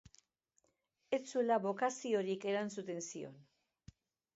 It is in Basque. Ez zuela bokaziorik erantzuten zion.